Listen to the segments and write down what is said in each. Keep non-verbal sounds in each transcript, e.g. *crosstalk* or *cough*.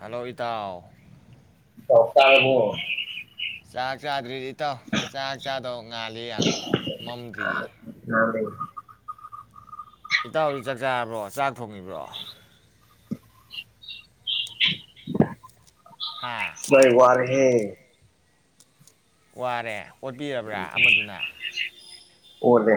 Hello ꯏꯇꯥꯎ꯫ ꯄꯥꯎ ꯇꯥꯔꯕꯣ ꯆꯥꯛ ꯆꯥꯔꯕꯣ ꯆꯥꯛ ꯆꯥꯗ꯭ꯔꯤ ꯏꯇꯥꯎ ꯆꯥꯛ ꯆꯥꯗꯧ ꯉꯥꯜꯂꯤ ꯌꯥꯝ ꯃꯝꯗ꯭ꯔꯤꯌꯦ꯫ ꯇꯥꯔꯦ ꯏꯇꯥꯎꯗꯤ ꯆꯥꯛꯆꯥꯔꯕ꯭ꯔꯣ ꯆꯥꯛ ꯊꯣꯡꯉꯤꯕ꯭ꯔꯣ ꯍꯥ ꯕꯥꯏ ꯋꯔꯦꯍꯦ꯫ *inaudible* ꯋꯥꯔꯦ꯫ ꯑꯣꯠꯄꯤꯔꯕ꯭ꯔꯥ ꯑꯃꯗꯨꯅ꯫ ꯑꯣꯠꯂꯦ꯫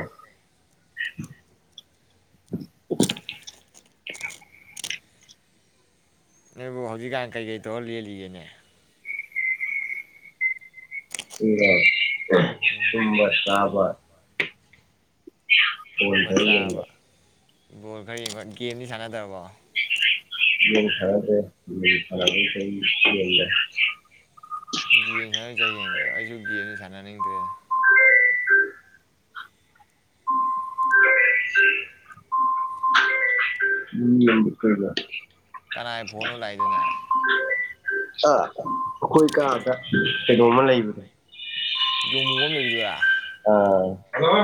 ꯅꯣꯏꯕꯨ ꯍꯧꯖꯤꯛꯀꯥꯟ ꯀꯩꯀꯩ ꯇꯧꯔ ꯂꯦꯜꯂꯤꯒꯦꯅꯦ꯫ *unintelligible* *unintelligible* ꯇꯨꯝꯕ ꯆꯥꯕ꯫ ꯍꯣꯏ꯫ ꯇꯨꯝꯕ ꯌꯦꯡꯕ ꯆꯥꯕ꯫ ꯕꯣꯜ ꯈꯔ ꯌꯦꯡꯕ ꯒꯦꯝꯗꯤ ꯁꯥꯟꯅꯗ꯭ꯔꯕꯣ꯫ ꯒꯦꯝ ꯁꯥꯟꯅꯗ꯭ꯔꯦ ꯒꯦꯝ ꯁꯥꯟꯅꯕ꯫ *unintelligible* ꯁꯥꯟꯅꯤꯡꯗ꯭ꯔꯦ꯫ *unintelligible* ꯀꯅꯥꯏ ꯐꯣꯟꯅꯣ ꯂꯥꯛꯏꯗꯨꯅ꯫ ꯑꯥ ꯑꯩꯈꯣꯏ ꯀꯥꯗ ꯀꯩꯅꯣꯝꯃ ꯂꯩꯕꯗꯣ꯫ ꯌꯣꯡ ꯑꯃꯨꯕ ꯑꯝ ꯂꯩꯕꯗꯨꯔꯥ꯫ ꯑꯥ ꯍꯂꯣ꯫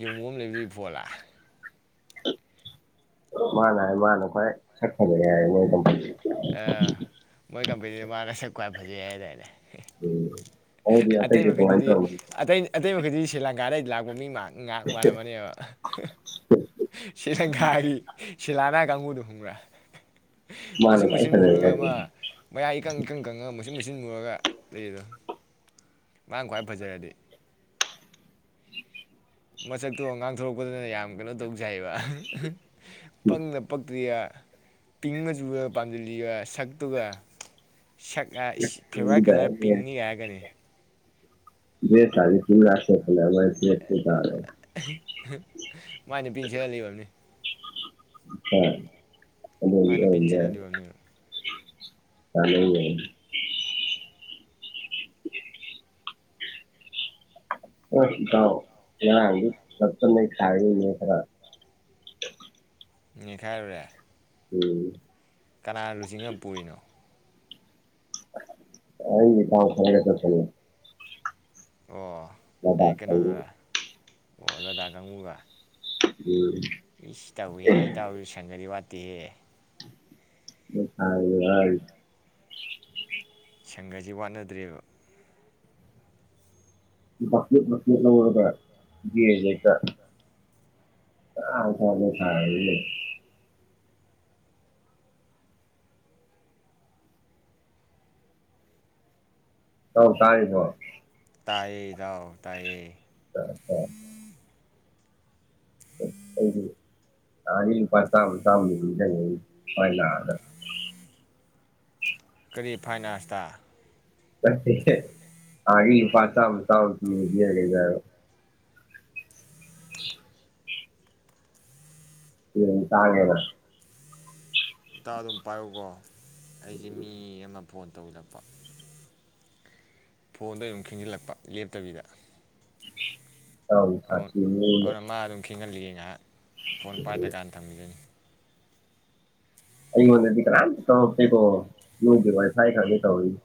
ꯌꯣꯡ ꯑꯃꯨꯕ ꯑꯝ ꯂꯩꯕꯗꯨꯏ ꯐꯣꯜꯂꯥ꯫ ꯃꯥꯅ ꯍꯥꯏ ꯃꯥꯅ ꯈꯋ꯭ꯥꯏ ꯁꯛ ꯐꯖꯩ ꯍꯥꯏ ꯃꯣꯏ ꯀꯝꯄꯅꯤ꯫ ꯑꯥ ꯃꯣꯏ ꯀꯝꯄꯅꯤ ꯃꯥꯅ ꯁꯛ꯫ ꯈ꯭ꯋꯥꯏ ꯐꯖꯩ ꯍꯥꯏꯗꯥꯏꯅꯦ꯫ *unintelligible* ꯑꯇꯩ ꯑꯇꯩꯗꯤ ꯀꯃꯥꯏꯅ ꯃꯈꯩꯗꯨꯗꯤ ꯇꯧꯔꯝꯃꯤ ꯑꯇꯩꯅ ꯑꯠ꯫ ꯑꯇꯩ ꯃꯈꯩꯗꯨꯗꯤ ꯁ꯭ꯔꯤꯂꯪꯀꯥꯗꯩꯩ ꯂꯥꯛꯄ ꯃꯤ ꯃꯥꯜꯂꯦ꯫ ꯉꯥꯛ ꯃꯥꯜꯂꯝꯃꯅꯦꯕꯥ ꯁ꯭ꯔꯤꯂꯪꯀꯥꯒꯤ꯫ ꯁꯤꯜꯂꯥꯅꯥ ꯀꯥꯡꯕꯨ ꯈꯡꯕ꯭ꯔꯥ꯫ ꯃꯥꯅ ꯃꯨꯁꯤꯡ ꯈ꯭ꯋꯥꯏ ꯃꯨꯁꯤꯟ ꯐꯖꯩ ꯃꯨꯔꯒ ꯑꯃ ꯃꯌꯥꯏ ꯏꯀꯪ ꯏꯀꯪ ꯀꯪꯉꯒ ꯑꯃ ꯃꯨꯁꯤꯟ ꯃꯨꯁꯤꯟ ꯃꯨꯔꯒ꯫ ꯂꯩꯗꯦꯗ꯫ ꯃꯥꯅ ꯈ꯭ꯋꯥꯏ ꯐꯖꯔꯗꯤ꯫ *unintelligible* ꯃꯁꯛꯇꯣ ꯉꯥꯡꯊꯣꯔꯛꯄꯗꯅ ꯌꯥꯝ ꯀꯩꯅꯣ ꯇꯧ ꯁꯥꯔꯤꯕ꯫ ꯄꯪꯅ ꯄꯛ꯫ ꯇꯧꯔꯤꯌꯥ ꯄꯤꯡ ꯃꯆꯨꯒ ꯄꯥꯝꯖꯜꯂꯤꯕ ꯁꯛꯇꯨꯒ꯫ ꯁꯛ ꯍꯥꯏ ꯏꯁ ꯐꯦꯕꯔꯥꯏꯠ ꯀꯂꯔ ꯍꯥꯏꯌꯦ ꯄꯤꯡꯅꯤ ꯍꯥꯏꯔꯛꯀꯅꯤ꯫ ꯗ꯭ꯔꯦꯖ ꯀꯥꯁꯦ ꯄꯤꯡꯒ ꯁꯦꯠꯇꯅ꯫ *unintelligible* ꯃꯥꯏ ꯅꯨꯄꯤꯅ ꯁꯦꯠꯍꯜꯂꯤ ꯑꯣꯏꯔꯝꯅꯤ꯫ ꯑꯥ꯫ ꯃꯥꯏ ꯅꯨꯄꯤꯅ ꯆꯦꯜꯍꯜꯂꯤ ꯑꯣꯏꯔꯝꯅꯤꯕ꯫ *unintelligible* ꯍꯣꯏ ꯏꯇꯥꯎ ꯉꯔꯥꯡꯗꯤ *unintelligible* ꯅꯩꯈꯥꯏꯕꯅꯤ ꯈꯔ꯫ ꯅꯤꯛꯈꯥꯏꯔꯨꯔꯦ꯫ ꯎꯝ꯫ ꯀꯅꯥ ꯂꯨꯆꯤꯡꯉ ꯄꯨꯔꯤꯅꯣ꯫ ꯑꯥꯍ ꯑꯩ ꯏꯇꯥꯎ ꯈꯔꯒ ꯆꯠꯄꯅꯤ꯫ ꯑꯣ ꯅꯣꯏ ꯀꯩꯅꯣꯗꯨꯔꯥ *unintelligible* ꯑꯣ ꯅꯣꯏ ꯗꯥ ꯀꯥꯡꯕꯨꯒ꯫ ꯎꯝ꯫ ꯑꯩꯁ ꯇꯧꯏꯍꯦ ꯏꯇꯥꯎꯁꯦ ꯁꯪꯒꯗꯤ ꯋꯥꯠ꯫ ꯇꯦ꯫ ꯃꯣꯏ ꯁꯥꯏꯅꯦ ꯋꯥꯔꯤꯁꯦ꯫ ꯁꯪꯒꯁꯤ ꯋꯥꯠꯅꯗ꯭꯭ꯔꯦꯕ꯫ ꯃꯀꯨꯞ ꯃꯀꯨꯞ ꯂꯧꯔꯒ꯫ *unintelligible* *unintelligible* ꯑꯧ꯫ ꯇꯥꯔꯤꯕꯣ꯫ ꯇꯥꯏꯌꯦ ꯏꯇꯥꯎ ꯇꯥꯏꯌꯦ꯫ *unintelligible* ꯑꯩꯗꯤ *unintelligible* ꯆꯥꯃ ꯆꯥꯃꯗꯨ ꯅꯤꯡꯖꯡ ꯉꯛꯏꯅꯤ ꯃꯥꯏ ꯅꯥꯕꯗ꯫ ꯀꯔꯤ ꯐꯥꯏꯟ ꯑꯥꯔ꯭ꯁꯇ꯫ ꯅꯠꯇꯦꯍꯦ ꯅꯍꯥꯟꯒꯩ ꯂꯨꯄꯥꯥ ꯆꯥꯝꯃ ꯆꯥꯝꯃ ꯄꯤꯕꯉꯩꯗꯣ ꯍꯥꯏꯕ꯫ *unintelligible* ꯆꯦꯡ ꯇꯥꯡꯉꯦꯅ꯫ ꯏꯇꯥꯎ ꯑꯗꯨꯝ ꯄꯥꯏꯌꯨꯀꯣ꯫ ꯑꯩꯁꯦ ꯃꯤ ꯑꯃ꯫ ꯐꯣꯟ ꯇꯧꯖꯤꯜꯂꯛꯄ꯫ ꯐꯣꯟꯗꯣ ꯑꯗꯨꯝ ꯈꯤꯡꯖꯤꯜꯂꯛꯄ ꯂꯦꯞꯇꯕꯤꯗ꯫ ꯆꯕꯗꯤ ꯁꯥꯊꯤꯅꯤꯅ꯫ ꯊꯦꯟꯍꯜꯂꯤ ꯅꯥꯕ ꯐꯣꯟ ꯄꯥꯏꯗꯀꯥꯟ ꯊꯝꯈꯤꯗꯣꯏꯅꯦ꯫ ꯑꯩꯉꯣꯟꯗꯗꯤ ꯀꯅꯥꯝꯇ ꯇꯧꯔꯛꯇꯔ꯭ꯦꯀꯣ ꯅꯣꯏꯒꯤ ꯋꯥꯏ_ꯐꯥꯏ ꯀꯥꯏꯗꯨ ꯇꯧꯔꯛ꯫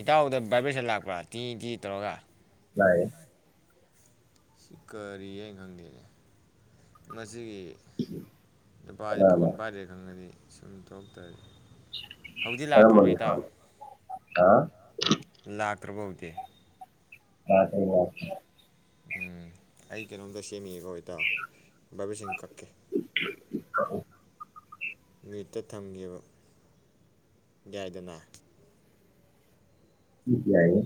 ꯏꯇꯥꯎꯍꯗ ꯕꯥꯏꯕꯔꯁꯟ ꯂꯥꯛꯄ꯭ꯔꯥ ꯇꯤ ꯇꯤ ꯇꯧꯔꯒ ꯂꯥꯠꯌꯦ꯫ ꯁꯤ ꯀꯔꯤꯍꯥꯏ ꯈꯪꯗꯦꯅꯦ ꯃ꯫ ꯑꯁꯤꯒꯤ ꯅꯨꯄꯥꯗꯤ ꯀꯅꯥꯅ ꯐꯣꯟ ꯄꯥꯏꯗ꯭ꯔꯦ ꯈꯪꯉꯗꯤ꯫ ꯁꯨꯝ ꯇꯧꯔꯛꯇꯣꯔꯦ꯫ ꯀꯔꯝꯕ ꯃꯤꯍꯥꯠꯅꯣ꯫ ꯑꯥ꯫ ꯂꯥꯛꯇ꯭ꯔꯕ ꯍꯧꯗꯦ ꯌꯥꯗ꯭ꯔꯤꯔꯣ ꯎꯝ ꯑꯩ ꯀꯩꯅꯣꯝꯗ ꯁꯦꯝꯃꯤ ꯣꯏꯗ ꯚꯕꯤꯁꯤꯡ ꯀꯛꯀꯦ *inaudible* ꯃ꯭ꯌꯨꯠꯇ ꯊꯝꯒꯤꯕ ꯌꯥꯏꯗꯅ꯫ ꯏꯗꯤ ꯌꯥꯏꯌꯦ꯫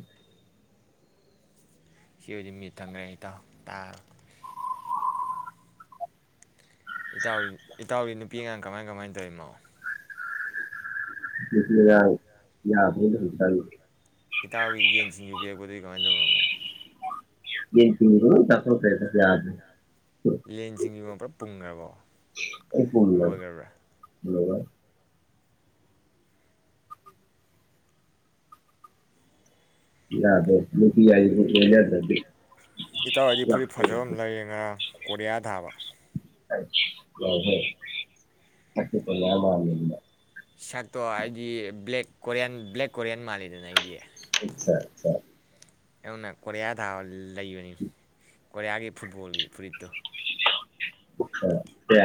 ꯁꯤ ꯑꯣꯏꯗꯤ ꯃ꯭ꯌꯨꯠ ꯊꯝꯒꯔꯅꯤ ꯏꯇꯥꯎ ꯇꯥꯔꯔꯣꯏ꯫ ꯏꯇꯥꯎ ꯏꯇꯥꯎꯔꯤ ꯅꯨꯄꯤ ꯑꯉꯥꯡ ꯀꯃꯥꯏ ꯀꯃꯥꯏꯅ ꯇꯧꯔꯤꯃꯣ ꯌꯥ ꯌꯥꯗ ꯆ ꯏꯇꯥꯎꯒꯤ ꯌꯦꯟ ꯁꯤꯡꯖꯨ ꯄꯤꯔꯛꯄꯗꯨꯗꯤ ꯀꯃꯥꯏꯅ ꯇꯧꯔꯝꯃꯣ ꯌꯦꯟ ꯁꯤꯡꯖꯨ ꯂꯣꯏ ꯆꯊꯣꯛꯈꯔ꯭ꯦ ꯌꯥꯗꯦ ꯌꯦꯟ ꯁꯤꯡꯁꯤ ꯄꯨꯂꯞ ꯌꯦꯉꯄ꯭ꯔꯥ ꯄꯨꯡꯈ꯭ꯔꯕꯣ ꯂꯣꯏꯈꯕ꯭ꯔꯥ ꯄꯨꯜꯂꯒ꯫ ꯌꯥꯗꯦ *unintelligible* ꯌꯦꯡ ꯌꯥꯖꯗ꯭ꯔꯦ꯫ ꯏꯇꯥꯎ ꯑꯩꯗꯤ ꯐꯨꯔꯤꯠ ꯐꯖꯕ ꯑꯃ ꯂꯩꯔꯦ ꯉꯔꯥꯡ꯫ ꯀꯣꯔꯤꯌꯥ ꯊꯥꯕ꯫ ꯍ ꯍꯣꯏꯄ ꯂꯃ ꯁꯛꯇꯣ ꯑꯩꯗꯤ ꯕ꯭ꯂꯦꯛ ꯀꯣꯔꯤꯌꯥꯟ ꯕ꯭ꯂꯦꯛ ꯀꯣꯔꯤꯌꯟ ꯃꯥꯜꯜꯂꯤꯦꯗꯅ ꯑꯩꯗꯤ *unintelligible* *unintelligible* ꯀꯣꯔꯤꯌꯥ ꯊꯥꯕ *unintelligible* ꯂꯩꯕꯅꯤ ꯀꯣꯔꯤꯌꯥꯒꯤ ꯐꯨꯠꯕꯣꯜꯒꯤ ꯐꯨꯔꯤꯠꯇꯣ ꯇ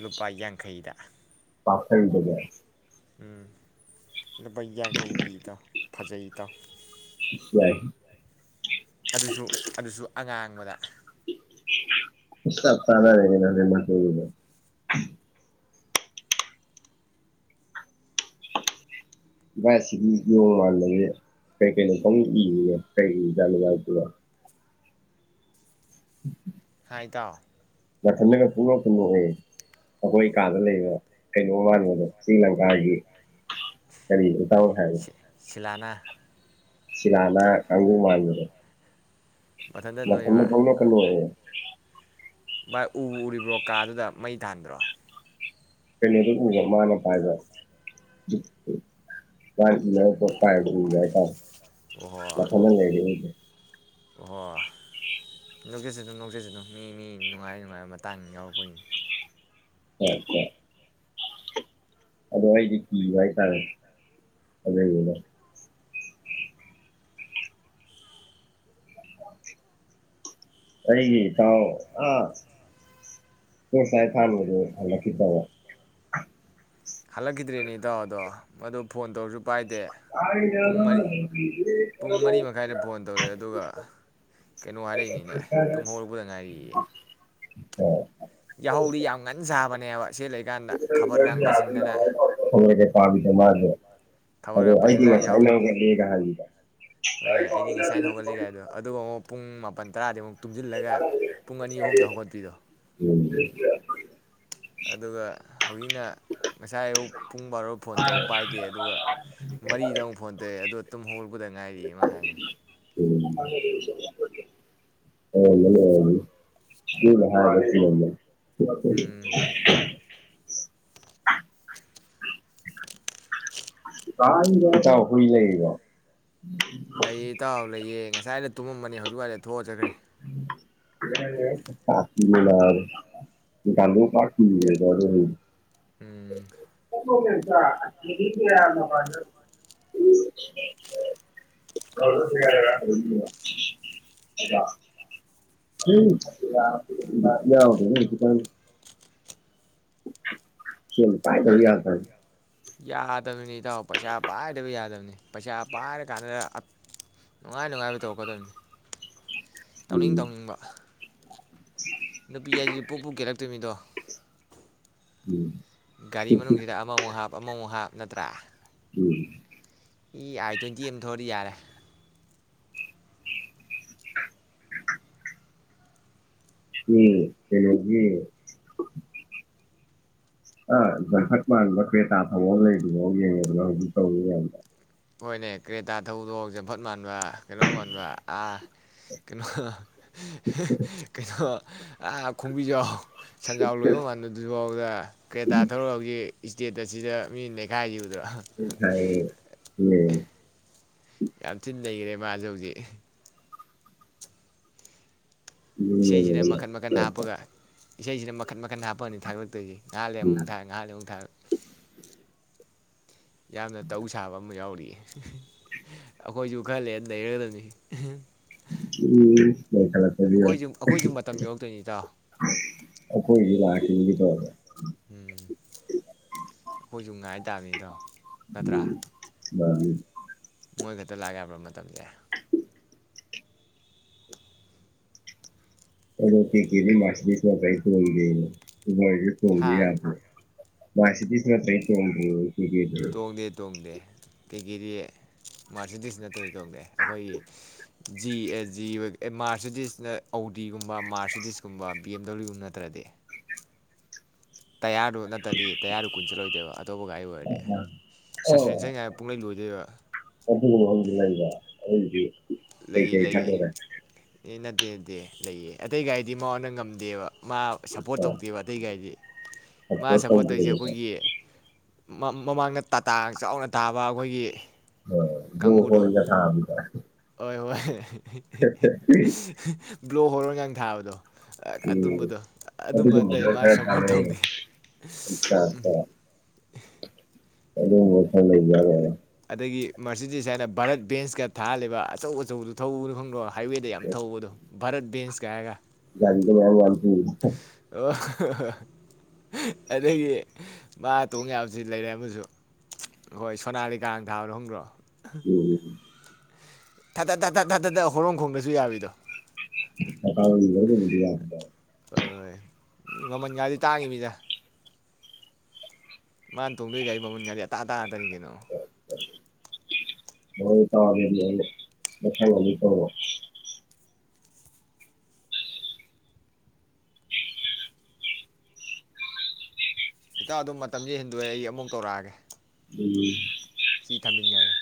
ꯂꯨꯄꯥ ꯌꯥꯡꯈꯩꯗ *unintelligible* ꯎꯝ ꯂꯨꯄ ꯌꯥꯡꯈꯩ ꯄꯤ ꯏꯇꯥꯎ ꯐꯖꯩ ꯏꯇꯥꯎ ꯁꯤ ꯌꯥꯏ ꯑꯗꯨꯁꯨ ꯑꯗꯨꯁꯨ *unintelligible* *unintelligible* ꯚꯥꯏ ꯁꯤꯗꯤ ꯌꯣꯑ ꯂꯩꯔꯦ ꯀꯩ ꯀꯩꯅꯣ ꯄꯪꯏ ꯏꯖꯤꯕꯣ ꯀꯩ ꯏꯖꯥꯠꯅꯣ ꯃꯥꯏꯖꯤꯕꯨ *inaudible* ꯍꯥꯏ ꯏꯇꯥꯎ ꯃꯊꯟꯗꯒ ꯄꯨꯡꯅꯣꯛꯇ ꯅꯣꯛꯑꯦ ꯑꯩꯈꯣꯏ ꯀꯥꯗ ꯂꯩꯕ ꯀꯩꯅꯣ ꯃꯥꯟꯕꯗꯣ ꯁ꯭ꯔꯤꯂꯪꯀꯥꯒꯤ ꯀꯔꯤ ꯏꯇꯥꯎ ꯁꯤꯂꯥꯅ ꯁꯤꯂꯅ ꯀꯥꯡꯒꯨ ꯃꯥꯟꯕꯗꯣ ꯃꯊꯟꯇ ꯃꯊꯟꯗ ꯅꯣꯏꯔꯤꯕ ꯄꯪꯅꯣꯛꯀ ꯅꯣꯛꯑꯦ ꯚꯥꯏ ꯎꯕꯨ ꯎꯔꯤꯕ꯭ꯔꯣ ꯀꯥꯗꯨꯗ ꯃꯩ ꯊꯥꯟꯗ꯭ꯔꯣ ꯀꯩꯅꯣꯗ ꯎꯕ ꯃꯥꯅ ꯄꯥꯏꯕ *unintelligible* ꯄꯥꯕꯗꯣ ꯎꯕ ꯍꯥꯏꯇꯥꯔꯦ ꯃꯊꯟꯗ ꯂꯩꯕ ꯍꯩꯇꯦ ꯑꯣꯍ ꯅꯣꯛꯆꯖꯅꯨ ꯅꯣꯛꯆꯖꯅꯨ ꯃꯤ ꯃꯤ ꯅꯨꯡꯉꯥꯏ ꯅꯨꯡꯉꯥꯏꯕ ꯃꯇꯥꯡ ꯌꯥꯎꯔꯛꯄꯩꯅꯤ ꯑꯗꯣ ꯑꯩꯗꯤ ꯀꯤꯕ ꯍꯥꯏꯇꯥꯔꯦ ꯑꯗꯨꯏꯅꯤꯗ ꯑꯩꯒꯤ ꯏꯇꯥꯎ ꯑ ꯇꯣꯁꯂꯥꯏꯠ ꯊꯥꯟꯕꯗꯣ ꯍꯜꯂꯛꯈꯤꯗ꯭ꯔꯕꯣ ꯍꯜꯂꯛꯈꯤꯗ꯭ꯔꯦꯅꯦ ꯏꯇꯥꯎ ꯑꯗꯣ ꯃꯗꯨ ꯐꯣꯟ ꯇꯧꯔꯁꯨ ꯄꯥꯏꯗꯦ ꯄꯨꯡ ꯃꯔꯤ ꯄꯨꯡ ꯃꯔꯤ ꯃꯈꯥꯏꯗ ꯐꯣꯟ ꯇꯧꯔꯛꯑꯦ ꯑꯗꯨꯒ ꯀꯩꯅꯣ ꯍꯥꯏꯔꯛꯏꯅꯤꯅꯦ ꯇꯨꯝ ꯍꯧꯔꯛꯄꯗ ꯉꯥꯏꯔꯤꯌꯦ *unintelligible* ꯌꯥꯍꯧꯗꯤ ꯌꯥꯝ ꯊꯣꯛꯂꯒ ꯉꯟ ꯁꯥꯕꯅꯦꯕ ꯁꯤ ꯂꯩꯀꯥꯟꯗ ꯈꯕꯔꯒ ꯄꯥꯁꯤꯟꯗꯅ ꯄꯥꯕꯤꯗ ꯃꯥꯒꯤ ꯈꯕꯔꯒ ꯄꯁꯤꯂ ꯌꯥꯍꯧ ꯍꯣꯏ ꯑꯩꯗꯤ ꯉꯁꯥꯏꯅ ꯍꯧꯒꯠꯂꯤꯒꯥꯏꯗꯣ ꯑꯗꯨꯒ ꯑꯃꯨꯛ ꯄꯨꯡ ꯃꯥꯄꯟ ꯇꯔꯥꯗꯩ ꯃꯨꯛ *unintelligible* ꯑꯗꯨꯒ ꯍꯧꯖꯤꯛꯅ ꯉꯁꯥꯏ ꯑꯨꯛ ꯄꯨꯡ ꯕꯥꯔꯣ ꯐꯣꯟ ꯇꯧ ꯄꯥꯏꯗꯦ ꯑꯗꯨꯒ ꯑꯣꯏꯔꯝꯒꯅꯤ ꯃꯔꯤꯗ ꯑꯣꯏꯔꯝꯒꯅꯤ ꯑꯃꯨꯛ ꯐꯣꯟ ꯇꯧꯔꯛꯑꯦ ꯑꯗꯣ ꯇꯨꯝ ꯍꯧꯔꯛꯄꯗ ꯉꯥꯏꯔꯤꯌꯦ ꯃꯥ ꯍꯥꯏꯅꯦ ꯑꯣꯏꯔꯝꯃꯅꯤ ꯑꯣꯏꯔꯝꯃꯅꯤ ꯃꯤꯅ ꯍꯥꯏꯕ ꯆꯨꯝꯃꯝꯃꯅꯤ ꯎꯝ *inaudible* ꯏꯇꯥꯎ ꯍꯨꯏ ꯂꯩꯔꯤꯕꯣ ꯂꯩꯌꯦ ꯏꯇꯥꯎ ꯂꯩꯌꯦ ꯉꯁ ꯉꯁꯥꯏꯗ ꯇꯨꯝꯃꯝꯕꯅꯤ ꯍꯧꯖꯤꯛ ꯋꯥꯏꯗ ꯊꯣꯛꯑ ꯆꯠꯈ꯭ꯔꯦ ꯄꯥꯞꯄꯤꯅꯤ ꯅꯥꯕ ꯃꯣꯏꯀꯥꯡꯕꯨ ꯄꯥꯛ *unintelligible* ꯑꯗꯨꯅꯅꯤ ꯎꯝ *unintelligible* *unintelligible* ꯈꯤꯇꯅꯤ *unintelligible* *inaudible* ꯁꯦꯟ ꯄꯥꯏꯗꯕ ꯀꯔꯤ ꯌꯥꯗꯕꯅꯤ ꯌꯥꯗꯕꯅꯤ ꯏꯇꯥꯎ ꯄꯩꯁꯥ ꯄꯥꯏꯗꯕ ꯌꯥꯗꯕꯅꯤ ꯄꯩꯁꯥ ꯄꯥꯏꯔ ꯀꯥꯟꯗꯨꯗ ꯅꯨꯡꯉꯥꯏ ꯅꯨꯡꯉꯥꯏꯕ ꯇꯧꯔꯛꯀꯗꯕꯅꯤ ꯇꯧꯅꯤꯡ ꯇꯧꯅꯤꯡꯕ ꯅꯨꯄꯤ ꯍꯥꯏꯁꯤꯗꯤ ꯄꯨꯞ ꯄꯨꯞ ꯀꯦꯂꯛꯇꯣꯏꯃꯤꯗꯣ꯫ *unintelligible* ꯒꯥꯔꯤ ꯃꯅꯨꯡꯁꯤꯗ ꯑꯃꯃꯨꯛ ꯍꯥꯞ ꯑꯃꯃꯨꯛ ꯍꯥꯞ ꯅꯠꯇ꯭ꯔꯥ *unintelligible* ꯏ ꯑꯥꯏ ꯇꯣꯏꯟꯇꯤ ꯑꯃ ꯊꯧꯔꯗꯤ ꯌꯥꯔꯦ꯫ ꯎꯝ ꯀꯩꯅꯣꯒꯤ *unintelligible* ꯍꯣꯏꯅꯦ ꯀ꯭ꯔꯦꯇꯥ ꯊꯧꯕꯗꯣ ꯖꯝꯐꯠ ꯃꯥꯟꯕ ꯀꯩꯅꯣ ꯃꯥꯟꯕ ꯑꯥ ꯀꯩꯅꯣ ꯀꯩꯅꯣ ꯑ ꯈꯣꯡꯕꯤꯖꯥꯎ ꯁꯦꯟꯖꯥꯎ ꯂꯣꯏꯕ ꯃꯥꯟꯕꯗꯨꯕꯥꯎꯗ ꯀ꯭ꯔꯦꯇꯥ ꯊꯧꯔ ꯍꯧꯖꯤꯛ ꯏꯁꯇꯦꯇꯁ ꯑꯁꯤꯗ ꯃꯤ ꯅꯩꯈꯥꯏ ꯎ *unintelligible* *unintelligible* ꯌꯥꯝ ꯊꯤ ꯅꯩꯒꯔꯦ ꯃꯥꯖꯦ ꯍꯧꯖꯤꯛ꯫ ꯏꯁꯩꯁꯤꯅ ꯃꯈꯟ ꯃꯈꯟ ꯍꯥꯞꯄꯒ ꯏꯁꯩꯁꯤꯅ ꯃꯈꯟ ꯃꯈꯟ ꯍꯥꯞꯄꯑꯅꯤ *unintelligible* ꯉꯍꯥꯛꯂꯩꯔ ꯑꯃꯨꯛ ꯊꯥ ꯉꯍꯥꯛꯂꯩꯔ ꯑꯃꯨꯛ ꯊꯥꯒꯠ꯫ ꯌꯥꯝꯅ ꯇꯧ ꯁꯥꯕ ꯑꯃ ꯌꯥꯎꯔꯤꯌꯦ꯫ ꯑꯩꯈꯣꯏꯁꯨ ꯈꯔꯂꯩꯔ ꯅꯩꯔꯗꯕꯅꯤ꯫ ꯎꯝ꯫ *unintelligible* ꯑꯩꯈꯣꯏꯁꯨ ꯑꯩꯈꯣꯏꯁꯨ ꯃꯇꯝ ꯌꯧꯔꯛꯇꯣꯏꯅꯤ ꯏꯇꯥꯎ ꯑꯩꯈꯣꯏꯒꯤꯁꯨ ꯂꯥꯛꯈꯤꯅꯤ ꯀꯩꯗꯧꯔꯒꯦ꯫ ꯎꯝ ꯑꯩꯈꯣꯏꯁꯨ ꯉꯥꯏ ꯇꯥꯕꯃꯤ ꯏꯇꯥꯎ ꯅꯠꯇ꯭ꯔꯥ꯫ *unintelligible* ꯃꯣꯏ ꯈꯛꯇ ꯂꯥꯛ ꯌꯥꯕ꯭ꯔ ꯃꯇꯝꯖꯦ꯫ *unintelligible* ꯍꯥ *unintelligible* *unintelligible* ꯇꯣꯡꯗꯦ ꯇꯣꯡꯗꯦ꯫ ꯀꯩꯀꯦꯗꯤ ꯃꯥꯔꯁꯤꯗꯤꯁ ꯅꯠꯇ꯭ꯔꯗꯤ ꯇꯣꯡꯗꯦ ꯑꯩꯈꯣꯏꯒꯤ ꯖꯤ ꯑꯦ ꯖꯤ ꯃꯥꯔꯁꯤꯗꯤꯁꯅ ꯑꯣꯗꯤ ꯒꯨꯝꯕ ꯃꯥꯔꯁꯤꯗꯤꯁꯀꯨꯝꯕ ꯕꯤ ꯑꯦꯝ ꯗꯕ꯭ꯂꯤꯎ ꯒꯨꯝꯕ ꯅꯠꯇ꯭ꯔꯗꯤ꯫ ꯇꯌꯥꯔꯗꯣ ꯅꯠꯇ꯭ꯔꯗꯤ ꯇꯌꯥꯔꯗꯣ ꯀꯨꯏꯅ ꯆꯠꯂꯣꯏꯗꯕ ꯑꯇꯣꯞꯄ ꯒꯥꯔꯤ ꯑꯣꯏꯔꯗꯤ꯫ *unintelligible* ꯄꯨꯡꯂꯣꯏ ꯂꯣꯏꯗꯣꯏꯕ꯫ *unintelligible* ꯑꯩꯒꯤꯖꯨ ꯂꯩꯅ ꯑꯩꯒꯤꯗꯤ ꯂꯩ ꯂꯩꯌꯦ ꯑꯦ ꯅꯠꯇꯦ *unintelligible* ꯂꯩꯌꯦ ꯑꯇꯩ ꯒꯥꯥꯏꯗꯤ ꯃꯉꯣꯟꯗ ꯉꯝꯗꯦꯕ ꯃꯥ ꯁꯄꯣꯔꯠ ꯑꯥ ꯇꯧꯗꯦꯕ ꯑꯇꯩꯒꯥꯏꯗꯤ ꯃꯥ ꯁꯞꯄꯣꯔꯠ ꯁꯄꯣꯔꯠ ꯇꯧꯔꯤꯁꯦ ꯇꯧꯗꯦꯕꯀꯣ ꯑꯩꯈꯣꯏꯒꯤ ꯃꯥ ꯃꯃꯥꯡꯗ ꯇꯥꯇꯥ ꯆꯥꯎꯅ ꯇꯥꯕ ꯑꯩꯈꯣꯏꯒꯤ꯫ ꯀꯥꯡꯕꯨꯗꯣ ꯑꯥ꯫ ꯍꯦ꯫ *unintelligible* ꯍꯤ ꯍꯤ ꯍꯤ꯫ ꯕ꯭ꯂꯣ ꯍꯣꯔꯣꯟ ꯉꯥꯡ ꯊꯥꯕꯗꯣ꯫ ꯑꯥ ꯎꯝ ꯑꯗꯨꯝꯕꯗꯣ ꯑꯗꯨꯝꯕ ꯑꯇꯩ ꯑꯗꯨꯒꯨꯝꯕꯗꯨꯅ ꯃꯥ ꯈꯔ ꯁꯒꯣꯜ ꯀꯥꯟꯅꯩꯌꯦ ꯊꯧꯗꯦ ꯎꯝ꯫ ꯆꯥꯔꯖꯇ ꯑꯗꯨꯒꯨꯝꯕ ꯈꯔ ꯂꯩꯖꯥꯠꯂ꯫ ꯑꯗꯒꯤ ꯃꯔꯁꯤꯗꯤꯁ ꯍꯥꯏꯅ ꯚꯥꯔꯠ ꯕꯦꯟꯁꯀ ꯊꯥꯔ ꯂꯩꯕ ꯑꯆꯧ ꯑꯆꯧꯕꯗꯨꯣ ꯊꯧꯕꯗꯨ ꯈꯪꯗ꯭ꯔꯣ꯫ ꯍꯥꯏꯋꯦꯗ ꯌꯥꯝ ꯊꯧꯕꯗꯣ꯫ ꯚꯥꯔꯠ ꯕꯦꯟꯁ ꯀ ꯍꯥꯏꯔꯒ꯫ ꯑꯣ *unintelligible* ꯑꯗꯒꯤ ꯃꯥ ꯇꯣꯡ ꯌꯥꯕꯁꯤ ꯂꯩꯔꯦ ꯑꯃꯁꯨ ꯍꯣꯏ ꯁꯣꯅꯥꯂꯤ꯫ ꯀꯥꯡ ꯊꯥꯕꯗꯣ ꯈꯪꯗ꯭ꯔꯣ꯫ ꯎꯝ ꯎꯝ꯫ ꯊꯥ ꯊꯠ ꯊꯥ ꯊꯠ ꯊꯥꯊꯠ ꯇꯥ ꯍꯣꯔꯣꯟ ꯈꯣꯡꯗ꯭ꯔꯁꯨ ꯌꯥꯕꯤꯗꯣ꯫ *unintelligible* ꯍꯣꯏ ꯍꯣꯏ ꯃꯤ ꯃꯃꯜꯒꯗꯤ ꯇꯥꯡꯉꯤꯝꯅꯤꯗ꯫ ꯃꯥꯅ ꯇꯣꯡꯗꯣꯏ ꯒꯥꯥꯔꯤ ꯃꯃꯟꯒꯗꯤ ꯑꯇꯥꯡ ꯑꯇꯥꯡ꯫ ꯀꯩꯒꯤꯅꯣ꯫ *unintelligible* ꯏꯇꯥ ꯑꯗꯨꯝ ꯃꯇꯝꯗꯤ ꯍꯦꯟꯗꯣꯛꯑꯦ ꯑꯩ ꯑꯃꯨꯛ ꯀꯧꯔꯛꯑꯒꯦ ꯎꯝ ꯁꯤ ꯊꯝꯖꯤꯟꯒ꯭ꯔꯒꯦ꯫